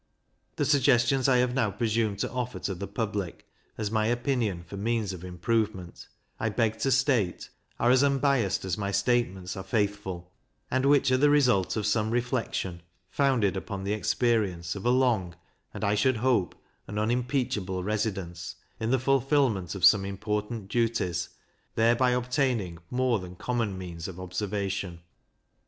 The suggestions I have now presumed to offer to the public, as my opinion for means of improvement, I beg to state, are as unbiassed as my statements are faithful; and which are the result of some reflection, founded upon the experience of a long, and, I should hope, an unimpeachable residence, in the fulfilment of some important duties, thereby obtaining more than common means of observation.